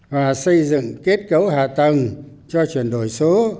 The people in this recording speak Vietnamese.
và xây dựng kết cấu hạ tầng cho chuyển đổi số